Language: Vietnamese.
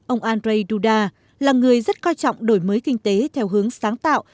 ông andrei duda là người rất coi trọng đổi mới kinh tế theo hướng sáng tạo